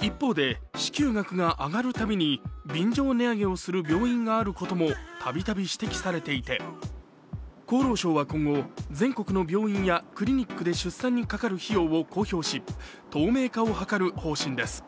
一方で、支給額が上がるたびに便乗値上げをする病院があることも度々指摘されていて厚労省は今後全国の病院やクリニックで出産にかかる費用を公表し透明化を図る方針です。